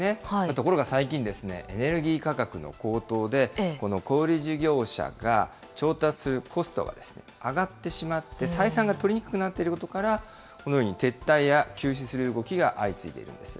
ところが最近、エネルギー価格の高騰で、この小売り事業者が調達するコストが上がってしまって、採算が取りにくくなっていることから、このように撤退や休止する動きが相次いでいるんです。